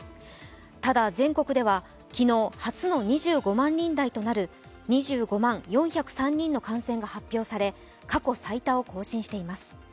ただ、全国では、昨日、初の２５万人台となる２５万４０３人の感染が発表され過去最多を更新しています。